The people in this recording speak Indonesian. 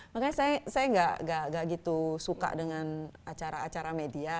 makanya saya nggak gitu suka dengan acara acara media